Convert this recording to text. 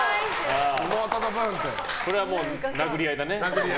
これはもう殴り合いだね。